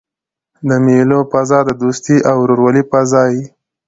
د مېلو فضا د دوستۍ او ورورولۍ فضا يي.